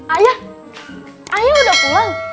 ayah ayah udah pulang